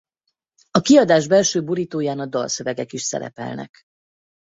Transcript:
A kiadás belső borítóján a dalszövegek is szerepelnek.